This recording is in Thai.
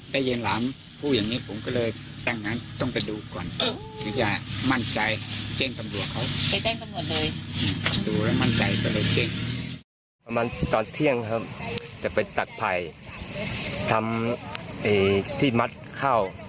ประมาณตอนเที่ยงครับจะไปตัดภัยทำที่มัดเข้า